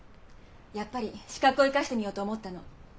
やっぱり資格を生かしてみようと思ったの。